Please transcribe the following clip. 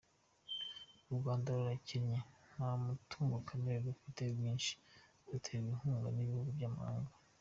U Rwanda rurakennye nta mutungo kamere rufite mwinshi, ruterwa inkunga n’ibihugu by’amahanga.